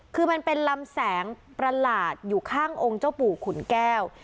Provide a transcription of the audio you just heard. คือมันเป็นลำแสงประหลาดอยู่ข้างองค์เจ้าปู่ขุนแก้ว